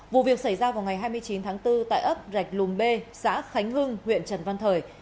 vụ việc xảy ra vào ngày hai mươi chín tháng bốn tại ấp rạch lùm b xã khánh hưng huyện trần văn thời